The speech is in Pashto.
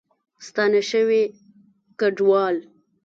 ستانه شوي کډوال